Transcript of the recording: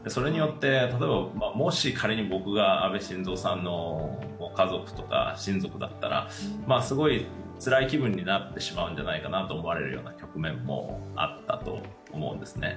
それで、もし仮に僕が安倍晋三さんのご家族とか親族だったら、すごいつらい気分になってしまうんじゃないかなと思われるような局面もあったと思うんですね。